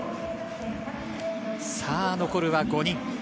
残るは５人。